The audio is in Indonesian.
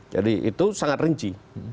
jadi itu sangat rinci